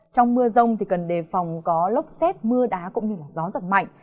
trong mưa rông thì cần đề phòng có lốc xét mưa đá cũng như là gió rất mạnh